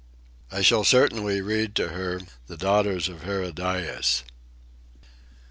I shall certainly read to her The Daughters of Herodias.